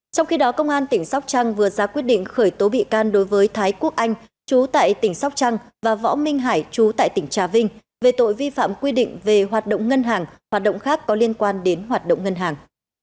trong khi đó công an tỉnh sóc trăng vừa ra quyết định khởi tố bị can đối với thái quốc anh chú tại tỉnh sóc trăng và võ minh hải chú tại tỉnh trà vinh về tội vi phạm quy định về hoạt động ngân hàng hoạt động khác có liên quan đến hoạt động ngân hàng